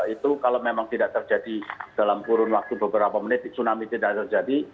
itu kalau memang tidak terjadi dalam kurun waktu beberapa menit tsunami tidak terjadi